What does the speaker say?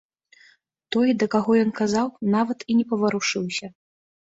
Той, да каго ён казаў, нават і не паварушыўся.